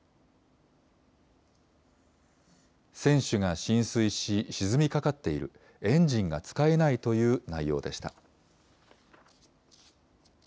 船首が浸水し、沈みかかっている、エンジンが使えないという内容でした。